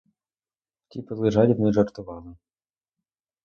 Ті пили жадібно й жартували.